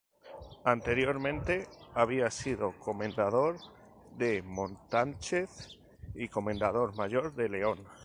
Anteriormente había sido comendador de Montánchez y Comendador Mayor de León.